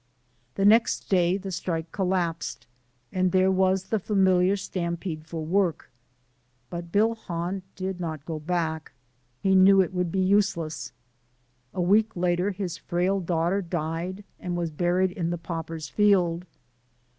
The next day the strike collapsed and there was the familiar stampede for work but Bill Hahn did not go back. He knew it would be useless. A week later his frail daughter died and was buried in the paupers field.